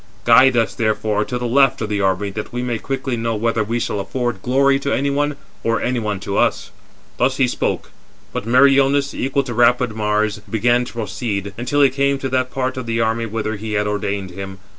Guide us, therefore, to the left of the army that we may quickly know whether we shall afford glory to any one, or any one to us." Thus he spoke. But Meriones, equal to rapid Mars, began to proceed, until he came to [that part of] the army whither he had ordered him.